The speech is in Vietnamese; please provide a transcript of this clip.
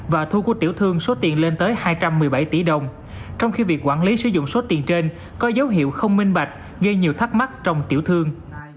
và thu của tiểu thương số tiền lên tới hai trăm một mươi bảy tỷ đồng trong khi việc quản lý sử dụng số tiền trên có dấu hiệu không minh bạch gây nhiều thắc mắc trong tiểu thương